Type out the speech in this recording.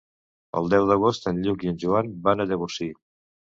El deu d'agost en Lluc i en Joan van a Llavorsí.